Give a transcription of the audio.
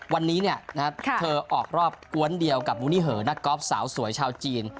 วันนี้เธอออกรอบกวนเดียวกับมูนิเหอนักกอล์ฟสาวสวยชาวจีน